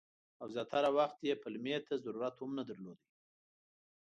او زیاتره وخت یې پلمې ته ضرورت هم نه درلود.